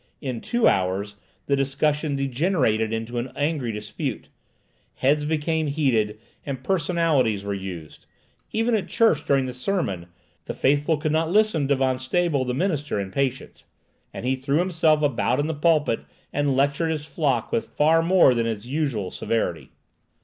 In two hours the discussion degenerated into an angry dispute. Heads became heated, and personalities were used. Even at church, during the sermon, the faithful could not listen to Van Stabel, the minister, in patience, and he threw himself about in the pulpit and lectured his flock with far more than his usual severity.